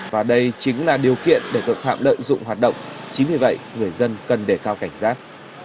và đây chính là điều kiện để tội phạm lợi dụng hoạt động chính vì vậy người dân cần đề cao cảnh giác